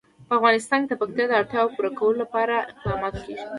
په افغانستان کې د پکتیا د اړتیاوو پوره کولو لپاره اقدامات کېږي.